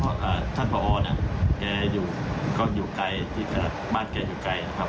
เพราะท่านผอคลังดรเขาอยู่ใกล้ที่บ้านเขาอยู่ไกลนะครับ